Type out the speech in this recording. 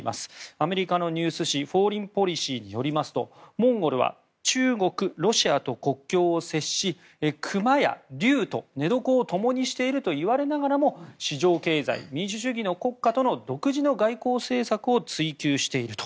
アメリカのニュース誌「フォーリン・ポリシー」によりますとモンゴルは中国、ロシアと国境を接し熊や竜と寝床をともにしているといわれながらも市場経済、民主主義の国家との独自の外交政策を追及していると。